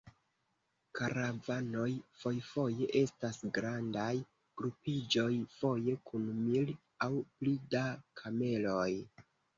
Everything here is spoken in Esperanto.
Karavanoj fojfoje estas grandaj grupiĝoj, foje kun mil aŭ pli da kameloj.